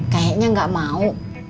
kayaknya gak mau